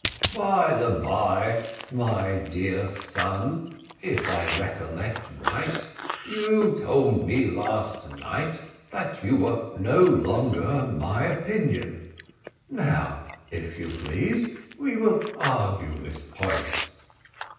"By the bye, my dear son, if I recollect right, you told me last night that you were no longer of my opinion. Now, if you please, we will argue this point."